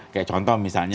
kayak contoh misalnya